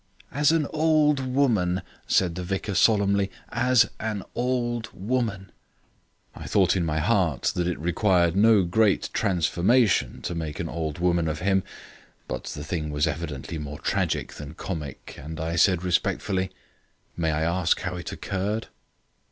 "As an old woman," said the vicar solemnly, "as an old woman." I thought in my heart that it required no great transformation to make an old woman of him, but the thing was evidently more tragic than comic, and I said respectfully: "May I ask how it occurred?"